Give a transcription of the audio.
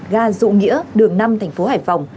gà dụ nghĩa đường năm tp hải phòng